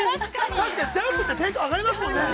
◆確かにジャンプってテンション上がりますもんね。